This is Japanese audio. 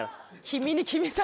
君に決めた！